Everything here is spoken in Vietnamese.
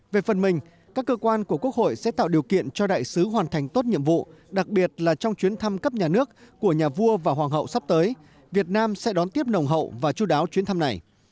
về phần mình các cơ quan của quốc hội sẽ tạo điều kiện cho đại sứ hoàn thành tốt nhiệm vụ đặc biệt là trong chuyến thăm cấp nhà nước của nhà vua và hoàng hậu sắp tới việt nam sẽ đón tiếp nồng hậu và chú đáo chuyến thăm này